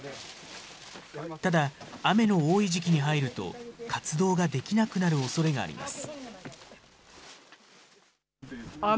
ただ、雨の多い時期に入ると、活動ができなくなるおそれがあります。